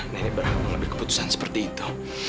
nenek mengambil keputusan seperti itu